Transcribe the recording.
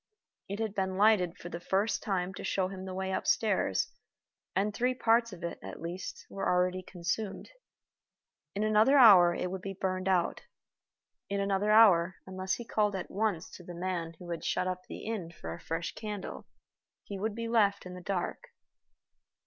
It had been lighted for the first time to show him the way upstairs, and three parts of it, at least, were already consumed. In another hour it would be burned out. In another hour, unless he called at once to the man who had shut up the inn for a fresh candle, he would be left in the dark.